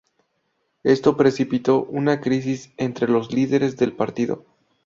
Esto precipitó una crisis entre los lideres del partido.